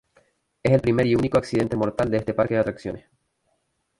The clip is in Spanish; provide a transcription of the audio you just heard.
Es el primer y único accidente mortal de este parque de atracciones.